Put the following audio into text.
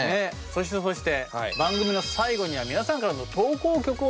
そしてそして番組の最後には皆さんからの投稿曲を紹介します